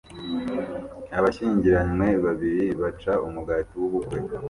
Abashyingiranywe babiri baca umugati w'ubukwe